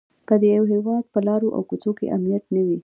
که د یوه هيواد په الرو او کوڅو کې امنيت نه وي؛